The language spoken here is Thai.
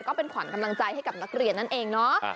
ก็เป็นขวัญกำลังใจให้กับนักเรียนนั่นเองเนาะ